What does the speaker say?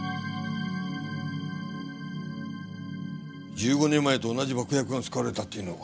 １５年前と同じ爆薬が使われたっていうのか？